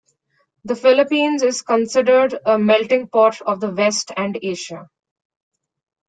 The Philippines is considered a melting pot of the West and Asia.